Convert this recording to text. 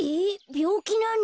びょうきなの？